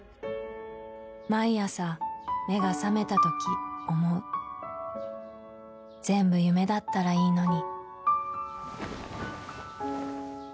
毎朝目が覚めたとき思う全部夢だったらいいのに。